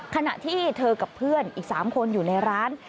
ขณะที่เธอกับเพื่อนอีก๓คนอยู่ในร้าน